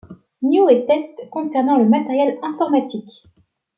News et tests concernant le matériel informatique.